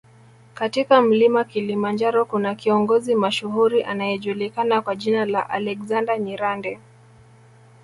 katika mlima Kilimanjaro kuna kiongozi mashuhuri anayejulikana kwa jina la Alexander Nyirande